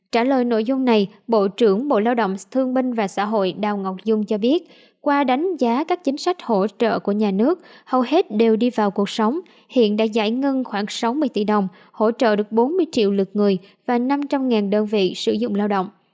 trả lời nội dung này bộ trưởng bộ lao động thương binh và xã hội đào ngọc dung cho biết qua đánh giá các chính sách hỗ trợ của nhà nước hầu hết đều đi vào cuộc sống hiện đã giải ngân khoảng sáu mươi tỷ đồng hỗ trợ được bốn mươi triệu lượt người và năm trăm linh đơn vị sử dụng lao động